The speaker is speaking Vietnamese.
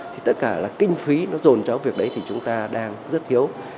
thì tất cả là kinh phí nó dồn cho việc đấy thì chúng ta đang rất thiếu